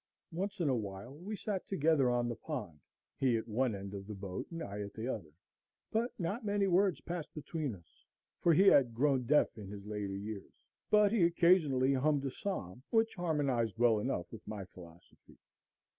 Once in a while we sat together on the pond, he at one end of the boat, and I at the other; but not many words passed between us, for he had grown deaf in his later years, but he occasionally hummed a psalm, which harmonized well enough with my philosophy.